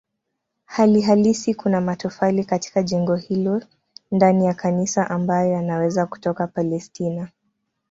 Hali halisi kuna matofali katika jengo hilo ndani ya kanisa ambayo yanaweza kutoka Palestina.